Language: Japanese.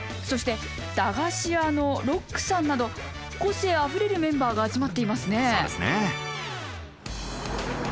そして駄菓子屋のロックさんなど個性あふれるメンバーが集まっていますね。